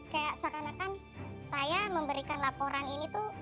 seperti seakan akan saya memberikan laporan ini